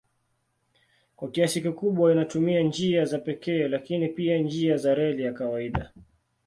Kwa kiasi kikubwa inatumia njia za pekee lakini pia njia za reli ya kawaida.